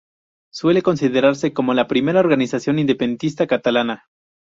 Suele considerarse como la primera organización independentista catalana.